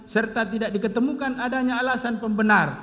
serta tidak diketemukan adanya alasan pembenar